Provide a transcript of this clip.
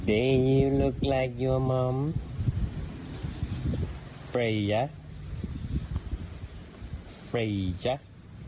วันนี้แม่ของแม่คุณเหมือนไอ้คน